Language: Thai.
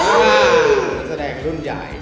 อ้าวแสดงร่วมใหญ่